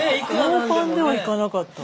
ノーパンでは行かなかった。